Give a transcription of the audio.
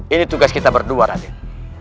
ini tugas kita berdua raden